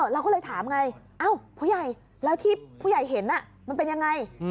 เราก็เลยถามไงเอ้าผู้ใหญ่แล้วที่ผู้ใหญ่เห็นมันเป็นยังไง